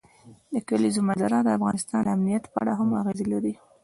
د کلیزو منظره د افغانستان د امنیت په اړه هم اغېز لري.